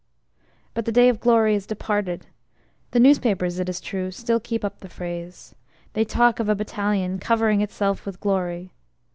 But the day of glory is departed. The newspapers, it is true, still keep up the phrase. They talk of a battalion "covering itself with glory."